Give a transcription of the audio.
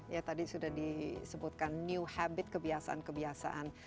ya tadi sudah disebutkan new happiness